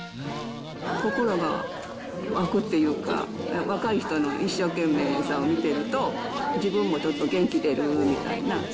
心が沸くっていうか、若い人の一生懸命さを見てると、自分もちょっと元気出るみたいな。